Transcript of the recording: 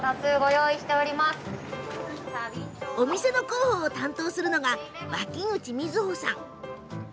お店の広報を担当するのが脇口みづほさん。